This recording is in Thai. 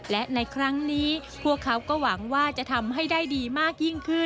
และในครั้งนี้พวกเขาก็หวังว่าจะทำให้ได้ดีมากยิ่งขึ้น